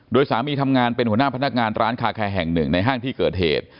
โดยสามีทำงานเป็นหัวหน้าพนักงานร้านคาแคร์แห่งหนึ่งในห้างที่เกิดเหตุ